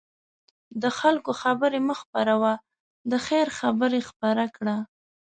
د خلکو خبرې مه خپره وه، د خیر خبرې خپره کړه.